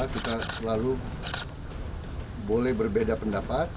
kita selalu boleh berbeda pendapat